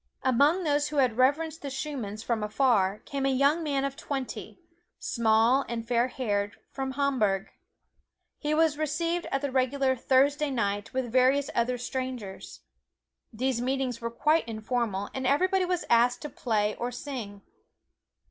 Among those who had reverenced the Schumanns from afar, came a young man of twenty, small and fair haired, from Hamburg. He was received at the regular "Thursday Night" with various other strangers. These meetings were quite informal, and everybody was asked to play or sing.